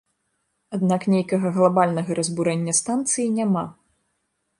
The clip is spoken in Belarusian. Аднак нейкага глабальнага разбурэння станцыі няма.